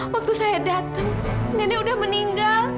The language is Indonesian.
waktu saya datang nenek udah meninggal